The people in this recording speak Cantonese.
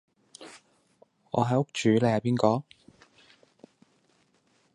我係屋主你係邊個？